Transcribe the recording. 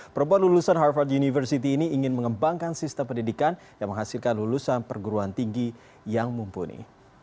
perempuan lulusan harvard university ini ingin mengembangkan sistem pendidikan yang menghasilkan lulusan perguruan tinggi yang mumpuni